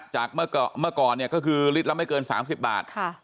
จากเมื่อก่อนเนี่ยก็คือลิตรละไม่เกิน๓๐บาท